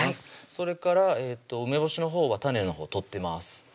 それから梅干しのほうは種のほう取ってます